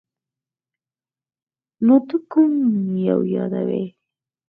نو ته کوم یو یادوې ؟